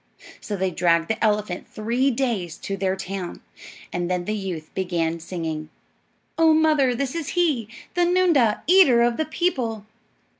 So they dragged the elephant three days to their town, and then the youth began singing, "Oh, mother, this is he, The noondah, eater of the people."